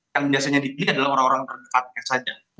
yang biasanya dipilih adalah orang orang terdekatnya saja